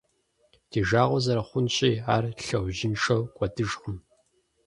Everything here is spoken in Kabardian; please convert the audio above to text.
Ди жагъуэ зэрыхъунщи, ар лъэужьыншэу кӏуэдыжкъым.